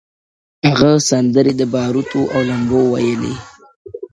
هغه سندري د باروتو او لمبو ويلې-